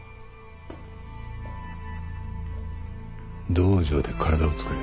道場で体をつくれ。